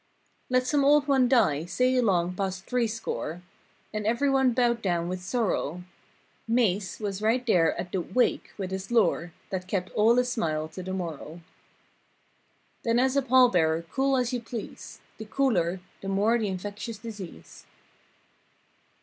Let some old one die, say along past three score. And every one bowed down with sorrow; "Mase" was right there at the "wake" with his lore. That kept all a smile 'till the morrow. 228 I Then as a pall bearer, cool as you please— The cooler, the more the infectious disease.